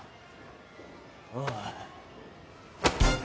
おい。